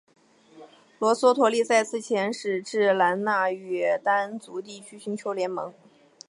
罗娑陀利再次遣使至兰纳与掸族地区寻求联盟。